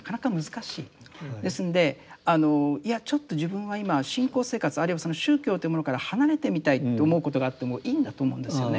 ですんであのいやちょっと自分は今信仰生活あるいは宗教というものから離れてみたいと思うことがあってもいいんだと思うんですよね。